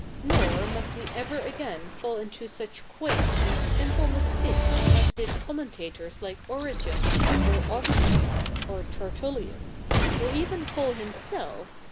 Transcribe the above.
Nor 77iust we ever again fall into such quai7it a7id simple mistakes as did commentators like Origen^ or Augustine^ or Tertullian, or even Paul himself CH.